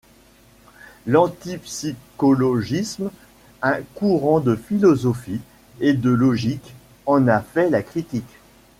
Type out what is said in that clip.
L'antipsychologisme, un courant de philosophie et de logique, en a fait la critique.